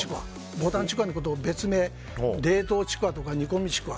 ぼたんちくわのことを別名、冷凍ちくわとか煮込みちくわ。